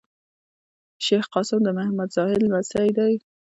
شېخ قاسم د محمد زاهد لمسی دﺉ.